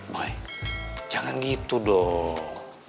boy jangan gitu dong